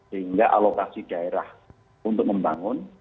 sehingga alokasi daerah untuk membangun